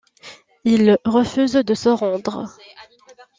Ils refusent de se rendre.